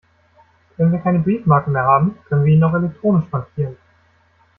Wenn wir keine Briefmarken mehr haben, können wir ihn auch elektronisch frankieren.